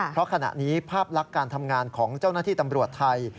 เพราะขณะนี้ภาพลักษณ์การทำงานของเจ้าหน้าที่ตำรวจไทย